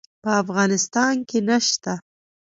په افغانستان کې نشته